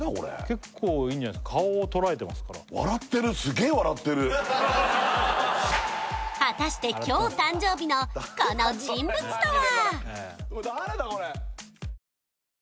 結構いいんじゃないですか顔を捉えてますから笑ってる果たして今日誕生日のこの人物とは？